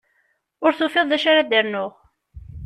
Ur tufiḍ d acu ara d-rnuɣ.